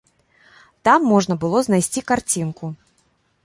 Там можна было знайсці карцінку.